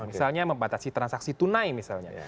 misalnya membatasi transaksi tunai misalnya